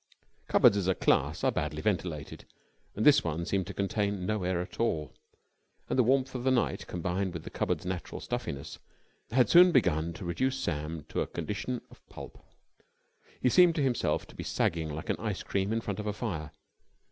Cupboards, as a class, are badly ventilated, and this one seemed to contain no air at all: and the warmth of the night, combined with the cupboard's natural stuffiness, had soon begun to reduce Sam to a condition of pulp. He seemed to himself to be sagging like an ice cream in front of a fire.